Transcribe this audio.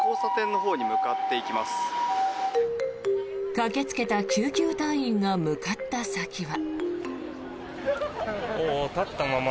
駆けつけた救急隊員が向かった先は。